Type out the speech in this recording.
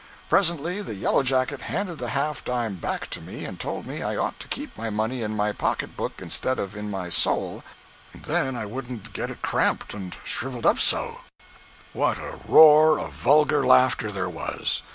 Presently the yellow jacket handed the half dime back to me and told me I ought to keep my money in my pocket book instead of in my soul, and then I wouldn't get it cramped and shriveled up so! 139.jpg (61K) What a roar of vulgar laughter there was!